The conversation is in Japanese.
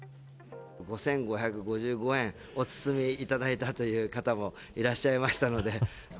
５５５５円お包みいただいたという方もいらっしゃいましたので。